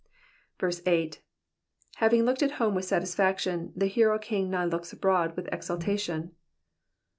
8. Having looked at home with satisfaction, the hero king now looks abroad with exultation.